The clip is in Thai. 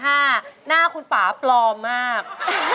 หน้าคุณป่าปลอมมาก